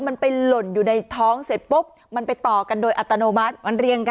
มันไปหล่นอยู่ในท้องเสร็จปุ๊บมันไปต่อกันโดยอัตโนมัติมันเรียงกัน